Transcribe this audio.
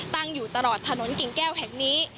ตั้งอยู่ตลอดถนนกิ่งแก้วแห่งนี้